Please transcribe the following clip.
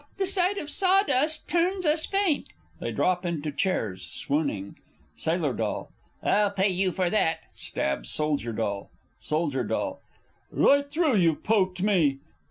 the sight of sawdust turns us faint! [They drop into chairs, swooning. Sail. D. I'll pay you out for that! [Stabs Soldier D. Sold. D. Right through you've poked me!